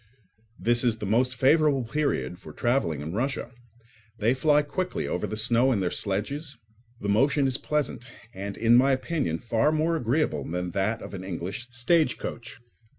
This is the most favourable period for travelling in Russia. They fly quickly over the snow in their sledges; the motion is pleasant, and, in my opinion, far more agreeable than that of an English stagecoach.